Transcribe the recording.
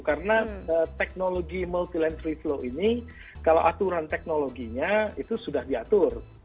karena teknologi mlff ini kalau aturan teknologinya itu sudah diatur